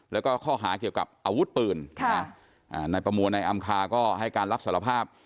แล้วก็ข้อหาเกี่ยวกับอาวุธปืนนายประมวลนายอำคาก็ให้การรับสารภาพ